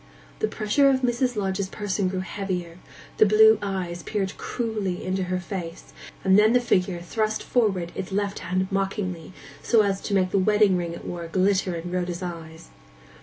The pressure of Mrs. Lodge's person grew heavier; the blue eyes peered cruelly into her face; and then the figure thrust forward its left hand mockingly, so as to make the wedding ring it wore glitter in Rhoda's eyes.